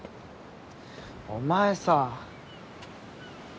お前さぁ。